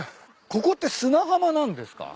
ここって砂浜なんですか？